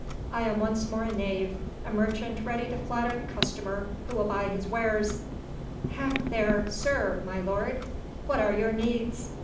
I am once more a knave, a merchant ready to flatter the customer who will buy his wares: Hech there, sir, my lord! what are your needs?